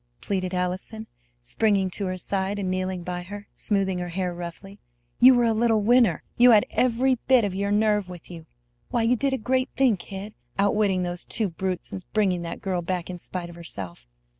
pleaded Allison, springing to her side and kneeling by her, smoothing her hair roughly. "You were a little winner! You had every bit of your nerve with you. Why, you did a great thing, kid! Outwitting those two brutes and bringing that girl back in spite of herself.